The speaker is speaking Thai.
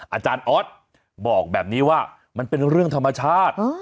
อาจารย์ออสบอกแบบนี้ว่ามันเป็นเรื่องธรรมชาติ